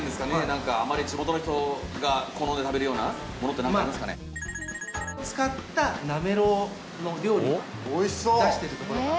何か地元の人が好んで食べるようなものって何かありますかね？の料理が出してるところが。